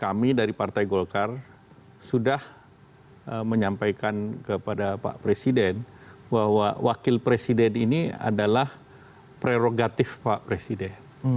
kami dari partai golkar sudah menyampaikan kepada pak presiden bahwa wakil presiden ini adalah prerogatif pak presiden